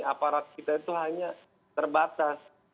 aparat kita itu hanya terbatas